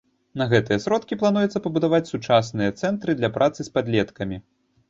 На гэтыя сродкі плануецца пабудаваць сучасныя цэнтры для працы з падлеткамі.